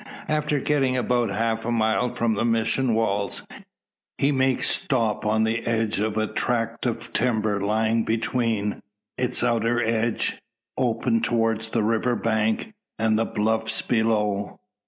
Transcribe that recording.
After getting about half a mile from the mission walls, he makes stop on the edge of attract of timber lying between its outer edge, open towards the river's bank, and the bluffs beyond.